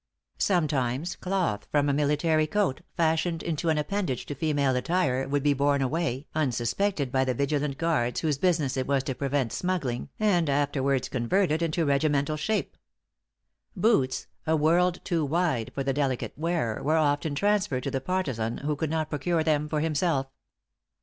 Sometimes cloth for a military coat, fashioned into an appendage to female attire, would be borne away, unsuspected by the vigilant guards whose business it was to prevent smuggling, and afterwards converted into regimental shape. Boots, "a world too wide" for the delicate wearer, were often transferred to the partisan who could not procure them for himself.